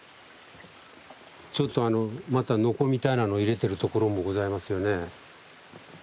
ちょっとまたノコみたいなの入れてるところもございますよね。